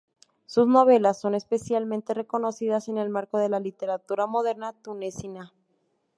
Sus novelas son especialmente reconocidas en el marco de la literatura moderna tunecina.